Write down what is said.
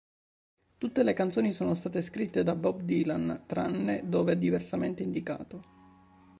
Tutte le canzoni sono state scritte da Bob Dylan, tranne dove diversamente indicato.